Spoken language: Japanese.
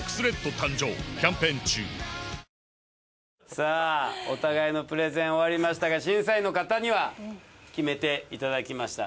さあお互いのプレゼン終わりましたが審査員の方には決めていただきました。